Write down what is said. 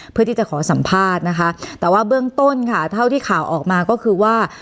เพื่อที่จะขอสัมภาษณ์นะคะแต่ว่าเบื้องต้นค่ะเท่าที่ข่าวออกมาก็คือว่า